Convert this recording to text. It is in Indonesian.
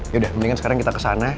yaudah mendingan sekarang kita kesana